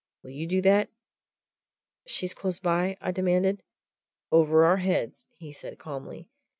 Will you do that?" "She's close by?" I demanded. "Over our heads," he said calmly.